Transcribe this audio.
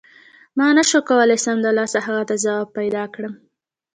ما نه شو کولای سمدلاسه هغې ته ځواب پیدا کړم.